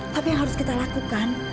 tapi yang harus kita lakukan